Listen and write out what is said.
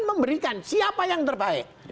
memberikan siapa yang terbaik